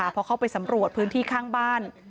พอเข้าไปสำรวจพื้นที่ข้างบ้าน